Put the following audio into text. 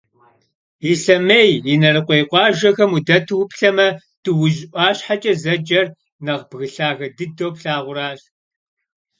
Ислъэмей, Инарыкъуей къуажэхэм удэту уплъэмэ, Дуужь ӏуащхьэкӏэ зэджэр нэхъ бгы лъагэ дыдэу плъагъуращ.